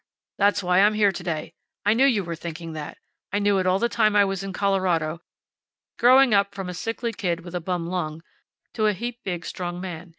That's why I'm here to day. I knew you were thinking that. I knew it all the time I was in Colorado, growing up from a sickly kid, with a bum lung, to a heap big strong man.